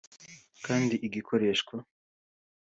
kandi igikoreshwa